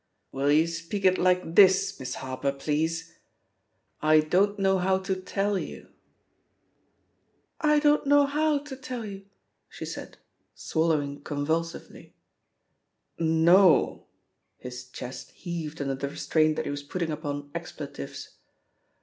"WiQ you speak it like this. Miss Harper, please? *I don't know how to tell you.' " «6« THE POSITION OF PEGGY HARPER €t (' I don't know how to tell you/ " she said^ swallowing convulsively. "Nol" His chest heaved under the restraint that he was putting upon expletives.